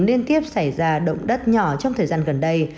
liên tiếp xảy ra động đất nhỏ trong thời gian gần đây